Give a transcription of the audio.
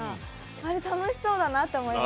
あれ、楽しそうだなって思いました。